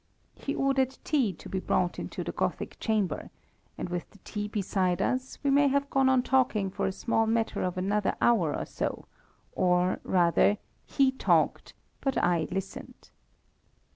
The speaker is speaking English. He ordered tea to be brought into the Gothic chamber, and with the tea beside us, we may have gone on talking for a small matter of another hour or so, or, rather, he talked, but I listened.